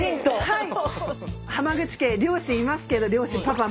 はい。